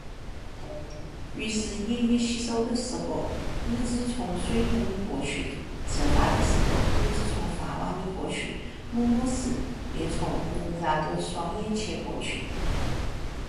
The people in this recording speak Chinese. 于是——洗手的时候，日子从水盆里过去；吃饭的时候，日子从饭碗里过去；默默时，便从凝然的双眼前过去。